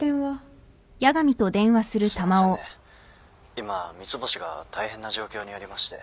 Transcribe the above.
今三ツ星が大変な状況にありまして。